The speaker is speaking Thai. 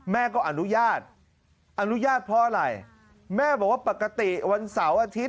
แม่ก็อนุญาตอนุญาตเพราะอะไรแม่บอกว่าปกติวันเสาร์อาทิตย